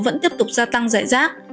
vẫn tiếp tục gia tăng dạy rác